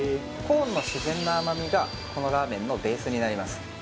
コーンの自然な甘味がこのラーメンのベースになります